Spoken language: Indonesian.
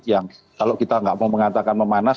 yang kalau kita nggak mau mengatakan memanas